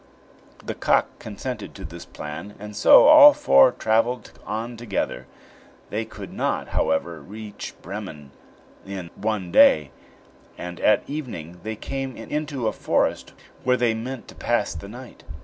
The cock consented to this plan, and so all four traveled on together. They could not, however, reach Bremen in one day, and at evening they came into a forest, where they meant to pass the night.